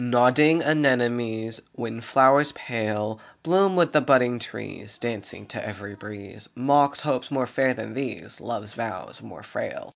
Nodding Anemones, Wind flowers pale, Bloom with the budding trees, Dancing to every breeze, Mock hopes more fair than these, Love's vows more frail.